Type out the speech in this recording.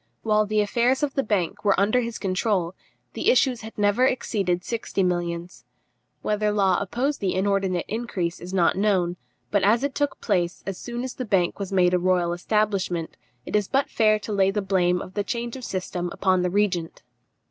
While the affairs of the bank were under his control, the issues had never exceeded sixty millions. Whether Law opposed the inordinate increase is not known; but as it took place as soon as the bank was made a royal establishment, it is but fair to lay the blame of the change of system upon the regent.